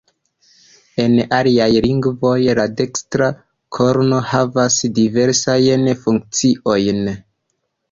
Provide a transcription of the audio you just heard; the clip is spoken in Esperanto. En aliaj lingvoj la dekstra korno havas diversajn funkciojn.